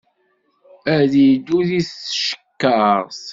Ad iddu di tcekkaṛt.